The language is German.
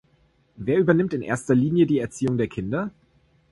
Wer übernimmt in erster Linie die Erziehung der Kinder?